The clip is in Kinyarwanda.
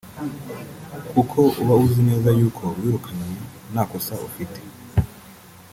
Kuko uba uzi neza yuko wirukanywe nta kosa ufite